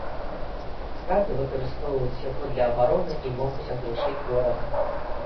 Скаты выкарыстоўваюць яго для абароны і могуць аглушыць ворага.